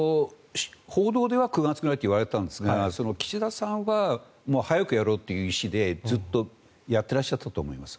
報道では９月ぐらいといわれていたんですが岸田さんは早くやろうという意思でずっとやっていらっしゃったと思います。